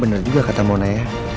benar juga kata mona ya